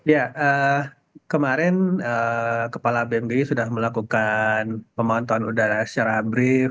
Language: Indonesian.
ya kemarin kepala bmgg sudah melakukan pemantauan udara secara brief